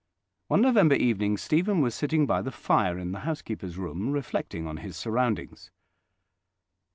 One November evening Stephen was sitting by the fire in the housekeeper's room reflecting on his surroundings.